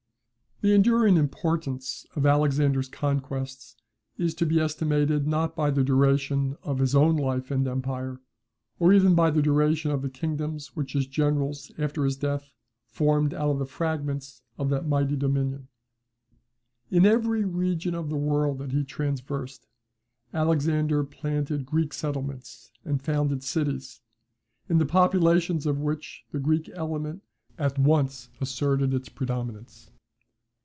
] The enduring importance of Alexander's conquests is to be estimated not by the duration of his own life and empire, or even by the duration of the kingdoms which his generals after his death formed out of the fragments of that mighty dominion. In every region of the world that he traversed, Alexander planted Greek settlements, and founded cities, in the populations of which the Greek element at once asserted its predominance.